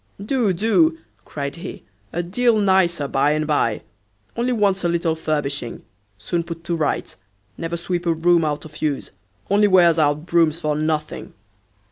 "Do, do;" cried he, "a deal nicer by and by. Only wants a little furbishing; soon put to rights. Never sweep a room out of use; only wears out brooms for nothing."